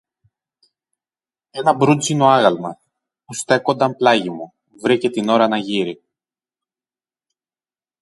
Ένα μπρούντζινο άγαλμα, που στέκουνταν πλάγι μου, βρήκε την ώρα να γείρει